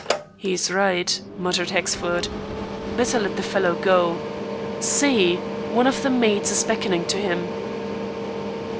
"He's right," muttered Hexford. "Better let the fellow go. See! one of the maids is beckoning to him."